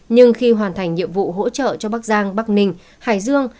nhưng khi hoàn thành nhiệm vụ hỗ trợ cho bắc giang bắc ninh hải dương